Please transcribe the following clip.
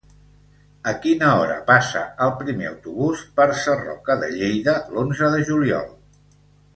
A quina hora passa el primer autobús per Sarroca de Lleida l'onze de juliol?